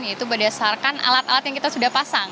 yaitu berdasarkan alat alat yang kita sudah pasang